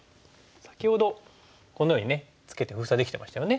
先ほどこのようにツケて封鎖できてましたよね。